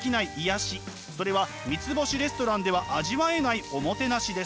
それは三つ星レストランでは味わえないおもてなしです。